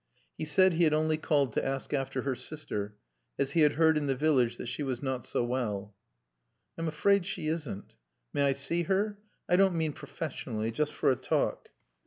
He said he had only called to ask after her sister, as he had heard in the village that she was not so well. "I'm afraid she isn't." "May I see her? I don't mean professionally just for a talk."